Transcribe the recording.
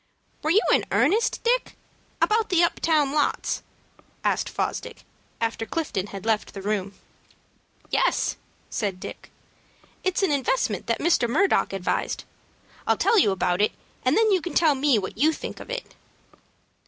"Were you in earnest, Dick, about the up town lots," asked Fosdick, after Clifton had left the room. "Yes," said Dick. "It's an investment that Mr. Murdock advised. I'll tell you about it, and then you can tell me what you think of it."